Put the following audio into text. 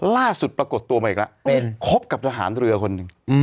ปรากฏตัวมาอีกแล้วคบกับทหารเรือคนหนึ่ง